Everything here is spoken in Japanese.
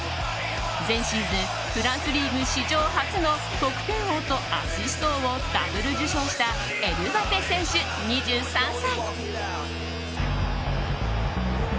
前シーズンフランスリーグ史上初の得点王とアシスト王をダブル受賞したエムバペ選手、２３歳。